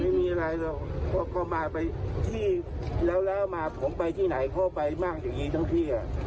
ไม่มีอะไรหรอกเพราะเขามาไปที่แล้วมาผมไปที่ไหนพ่อไปมากอย่างนี้ทั้งที่